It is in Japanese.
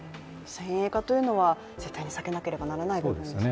先鋭化というのは絶対に避けなければいけない部分ですね。